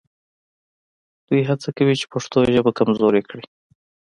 دوی هڅه کوي چې پښتو ژبه کمزورې کړي